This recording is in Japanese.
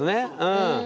うん。